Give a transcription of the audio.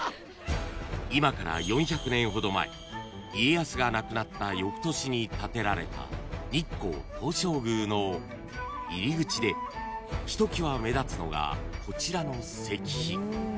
［今から４００年ほど前家康が亡くなった翌年に建てられた日光東照宮の入り口でひときわ目立つのがこちらの石碑］